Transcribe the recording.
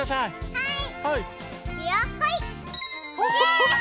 はい！